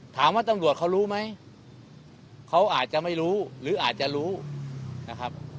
ตำรวจเขารู้ไหมเขาอาจจะไม่รู้หรืออาจจะรู้นะครับ